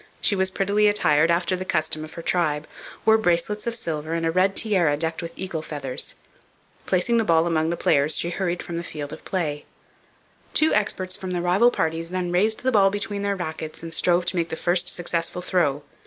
She was prettily attired after the custom of her tribe, wore bracelets of silver and a red tiara decked with eagle feathers. Placing the ball among the players, she hurried from the field of play. Two experts from the rival parties then raised the ball between their rackets and strove to make the first successful throw.